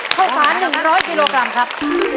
เท่าสามหนึ่งห้อส่วนกิโลกรัมครับ